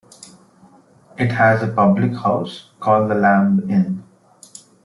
It has a public house called The Lamb Inn.